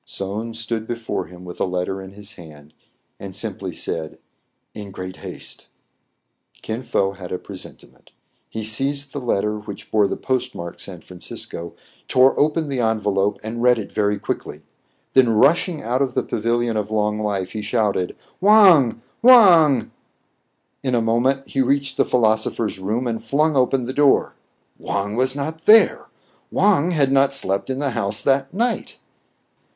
Soun stood before him, with a letter in his hand, and simply said, "In great haste." Kin Fo had a presentiment. He seized the let ter, which bore the postmark San Francisco ; tore open the envelope, and read it very quickly ; then, rushing out of the Pavilion of Long Life, he shouted, — "Wang! Wang!" lOO TRIBULATIONS OF A CHINAMAN. ' In a moment he reached the philosopher's room, and flung open the door. Wang was not there ! Wang had not slept in the house that night